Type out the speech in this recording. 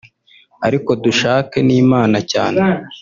ariko dushake n’imana cyane